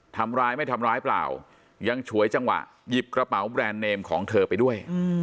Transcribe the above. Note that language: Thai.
ทำร้ายไม่ทำร้ายเปล่ายังฉวยจังหวะหยิบกระเป๋าแบรนด์เนมของเธอไปด้วย